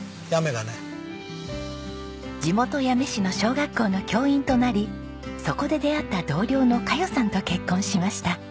地元八女市の小学校の教員となりそこで出会った同僚の佳代さんと結婚しました。